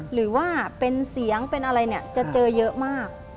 หรือว่าเป็นเสียงเป็นอะไรเนี่ยจะเจอเยอะมาก